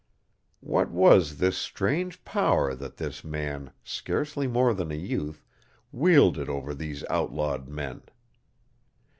What was this strange power that this man, scarcely more than a youth, wielded over these outlawed men?